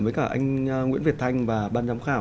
với cả anh nguyễn việt thanh và ban giám khảo